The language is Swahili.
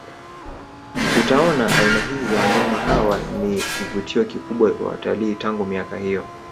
Utaona aina hizi za wanyama hawa ni kivutio kikubwa kwa watalii tangu miaka hiyo